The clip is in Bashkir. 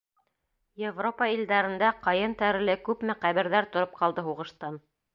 Европа илдәрендә ҡайын тәреле күпме ҡәберҙәр тороп ҡалды һуғыштан!